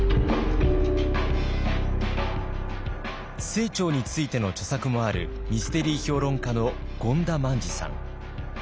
清張についての著作もあるミステリー評論家の権田萬治さん。